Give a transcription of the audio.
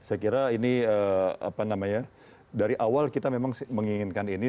saya kira ini apa namanya dari awal kita memang menginginkan ini